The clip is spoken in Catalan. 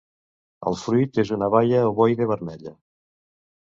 El fruit és una baia ovoide vermella.